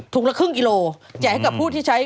ละครึ่งกิโลแจกให้กับผู้ที่ใช้